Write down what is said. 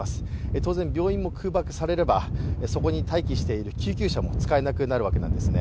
当然病院も空爆されれば、そこに待機している救急車も使えなくなるわけなんですね。